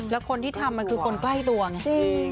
แล้วคนที่ทำมันคือคนใกล้ตัวไง